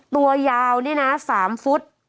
ตัวยาวนี่นะ๓ฟุต